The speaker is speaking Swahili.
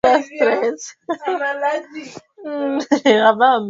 mwezi wa kumi na mbili kati ya mwaka elfu moja mia nne sitini